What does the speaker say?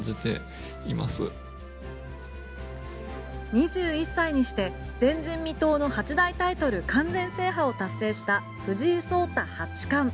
２１歳にして、前人未到の八大タイトル完全制覇を達成した藤井聡太八冠。